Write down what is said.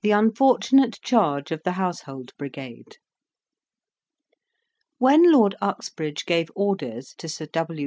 THE UNFORTUNATE CHARGE OF THE HOUSEHOLD BRIGADE When Lord Uxbridge gave orders to Sir W.